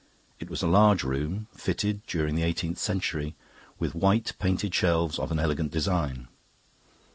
It was a large room, fitted, during the eighteenth century, with white painted shelves of an elegant design.